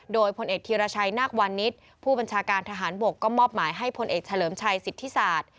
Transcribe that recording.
โดยพลเอกธีรชัยนาควันนิษฐ์ผู้บัญชาการทหารบกก็มอบหมายให้พลเอกเฉลิมชัยสิทธิศาสตร์